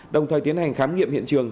đồng thời tiến hành khám nghiệm hiện trường